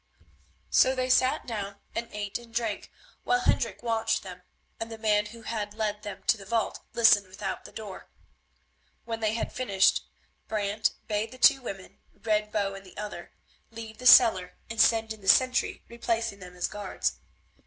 So they sat down and ate and drank while Hendrik watched them, and the man who had led them to the vault listened without the door. When they had finished, Brant bade the two women, Red Bow and the other, leave the cellar and send in the sentry, replacing him as guards.